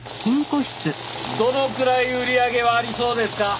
どのくらい売り上げはありそうですか？